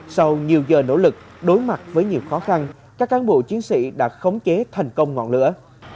sau nhiều giờ nỗ lực đối mặt với nhiều khó khăn các cán bộ chiến sĩ đã khống chế thành công ngọn lửa